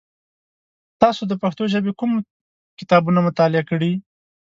تاسو د پښتو ژبې کوم کتابونه مطالعه کوی؟